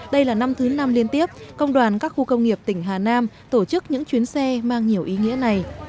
đây là năm thứ năm liên tiếp công đoàn các khu công nghiệp tỉnh hà nam tổ chức những chuyến xe mang nhiều ý nghĩa này